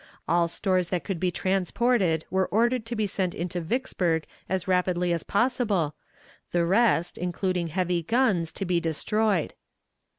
All stores that could be transported were ordered to be sent into Vicksburg as rapidly as possible, the rest, including heavy guns, to be destroyed.